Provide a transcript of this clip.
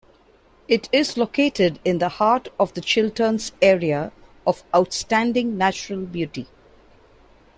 It is located in the heart of The Chilterns Area of Outstanding Natural Beauty.